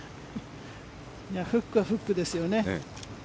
フックはフックですよね。